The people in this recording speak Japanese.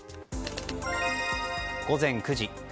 午前９時。